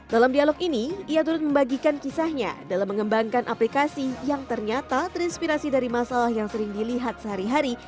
dalam dialog ini ia turut membagikan kisahnya dalam mengembangkan aplikasi yang ternyata terinspirasi dari masalah yang sering dilihat sehari hari